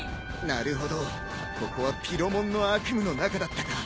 なるほどここはピロモンの悪夢の中だったか。